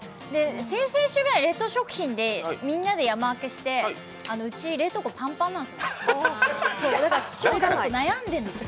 先々週が冷凍食品で、みんなで山分けしてうち冷凍庫パンパンなんすよ。